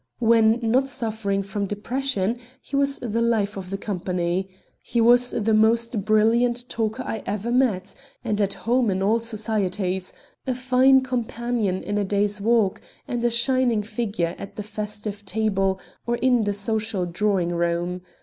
When not suffering from depression he was the life of the company. He was the most brilliant talker I ever met, and at home in all societies; a fine companion in a day's walk, and a shining figure at the festive table or in the social drawing room.